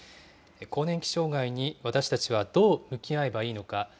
更年期障害に私たちはどう向き合えばいいのか。